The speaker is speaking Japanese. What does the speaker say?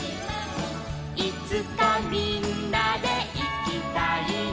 「いつかみんなでいきたいな」